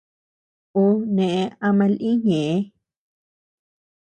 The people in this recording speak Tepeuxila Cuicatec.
Ú nëʼe ama lï ñëʼe.